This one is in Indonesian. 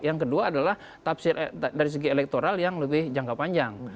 yang kedua adalah tafsir dari segi elektoral yang lebih jangka panjang